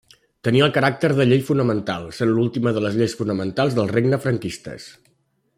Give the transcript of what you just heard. Tenia el caràcter de Llei Fonamental, sent l'última de les Lleis Fonamentals del Regne franquistes.